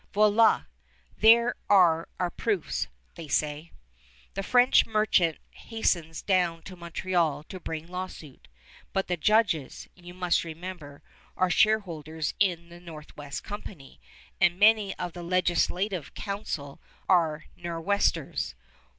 "Voila! there are our proofs," they say. The French merchant hastens down to Montreal to bring lawsuit, but the judges, you must remember, are shareholders in the Northwest Company, and many of the Legislative Council are Nor'westers.